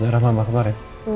ses darah mama kemarin